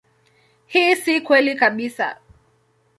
Hii si kweli kabisa.